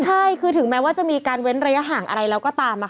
ใช่คือถึงแม้ว่าจะมีการเว้นระยะห่างอะไรแล้วก็ตาม